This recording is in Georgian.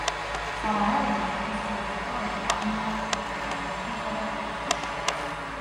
სავარაუდოდ, ზეთისხილის რტოები აღნიშნავს მშვიდობას ბერძნებსა და თურქებს შორის.